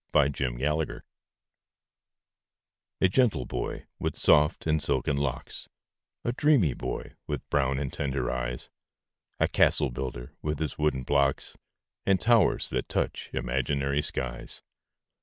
THE CASTLE BUILDER A gentle boy, with soft and silken locks A dreamy boy, with brown and tender eyes, A castle builder, with his wooden blocks, And towers that touch imaginary skies.